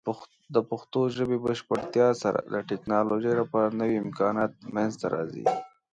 د پښتو ژبې بشپړتیا سره، د ټیکنالوجۍ لپاره نوې امکانات منځته راځي.